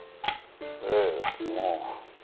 ええまぁ。